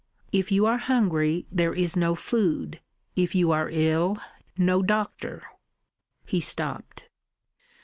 If you are hungry there is no food, if you are ill no doctor ..." He stopped.